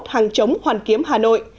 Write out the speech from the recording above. bảy mươi một hàng chống hoàn kiếm hà nội